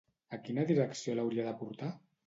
A quina direcció la hauria de portar?